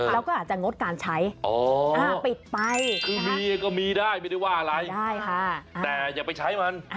แล้วก็อาจจะงดการใช้ปิดไปคือมีก็มีได้ไม่ได้ว่าอะไรใช่ค่ะแต่อย่าไปใช้มัน